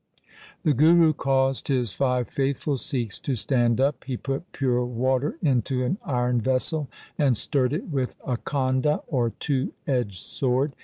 The Guru caused his five faithful Sikhs to stand up. He put pure water into an iron vessel and stirred it with a khanda or two edged sword.